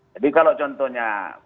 jadi kalau contohnya